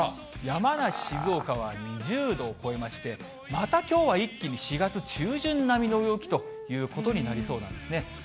山梨、静岡は２０度を超えまして、またきょうは一気に４月中旬並みの陽気ということになりそうなんですね。